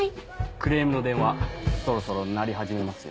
クレームの電話そろそろ鳴り始めますよ。